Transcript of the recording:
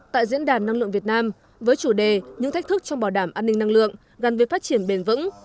tại diễn đàn năng lượng việt nam với chủ đề những thách thức trong bảo đảm an ninh năng lượng gắn với phát triển bền vững